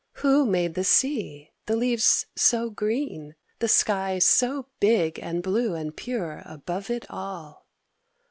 Who made the sea, the leaves so green, the sky So big and blue and pure above it all?